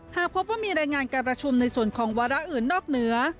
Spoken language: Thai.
หากพบว่ามีรายงานการประชุมในส่วนของวาระอื่นนอกเหนือ